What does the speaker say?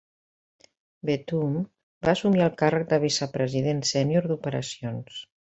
Bethune va assumir el càrrec de vicepresident sènior d'Operacions.